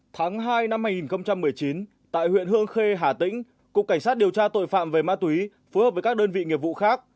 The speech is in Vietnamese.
tháng hai năm hai nghìn một mươi chín tại huyện hương khê hà tĩnh cục cảnh sát điều tra tội phạm về ma túy phối hợp với các đơn vị nghiệp vụ khác